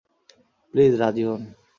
Please রাজি হোন।